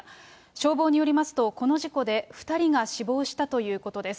消防によりますと、この事故で２人が死亡したということです。